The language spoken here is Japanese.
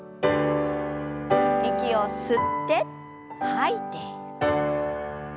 息を吸って吐いて。